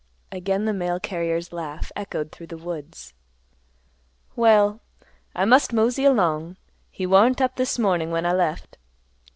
Again the mail carrier's laugh echoed through the woods. "Well, I must mosey along. He warn't up this mornin' when I left.